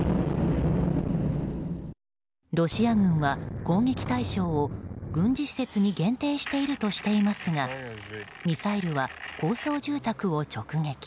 ロシア軍は攻撃対象を軍事施設に限定しているとしていますがミサイルは高層住宅を直撃。